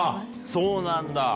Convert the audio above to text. そうなんだ。